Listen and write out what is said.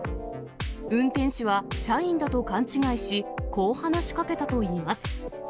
運転士は社員だと勘違いし、こう話しかけたといいます。